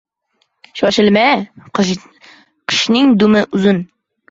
• Shoshilma: qishning dumi uzun.